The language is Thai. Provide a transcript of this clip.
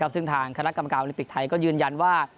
ซึ่งทางคณะกรรมการโอลิปิกไทยก็ยืนยันว่า